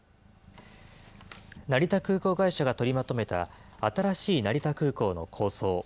成田空港会社が取りまとめた新しい成田空港の構想。